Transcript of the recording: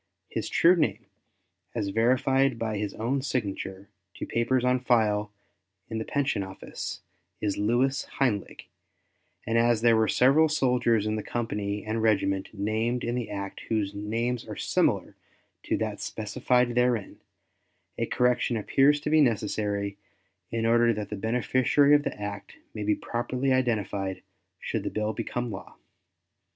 His true name, as verified by his own signature to papers on file in the Pension Office, is Louis Heinlig, and as there were several soldiers in the company and regiment named in the act whose names are similar to that specified therein, a correction appears to be necessary in order that the beneficiary of the act may be properly identified should the bill become a law.